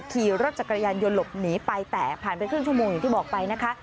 ขี่รถจักรยานยนต์หลบหนีไปแต่ผ่านไปครึ่งชั่วโมงอย่างที่บอกไปนะคะ